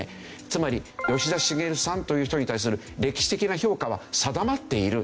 つまり吉田茂さんという人に対する歴史的な評価は定まっている。